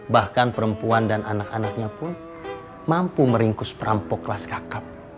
bahkan perempuan dan anak anaknya pun mampu meringkus perampok kelas kakap